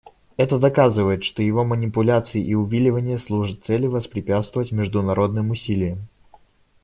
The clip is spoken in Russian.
Это доказывает, что его манипуляции и увиливания служат цели воспрепятствовать международным усилиям.